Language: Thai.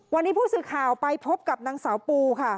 วันนี้ผู้สื่อข่าวไปพบกับนางสาวปูค่ะ